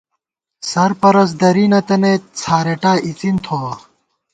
سرپرست درِی نَتَنَئیت څھارېٹا اِڅِن تھوَہ